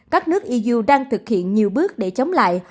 các nước iuu đang thực hiện nhiều bước để chống lại